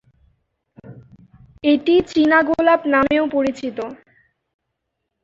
এটি চীনা গোলাপ নামেও পরিচিত।